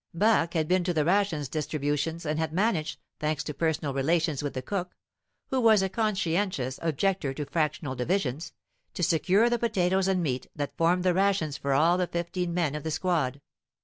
Barque had been to the rations distribution, and had managed, thanks to personal relations with the cook (who was a conscientious objector to fractional divisions), to secure the potatoes and meat that formed the rations for all the fifteen men of the squad.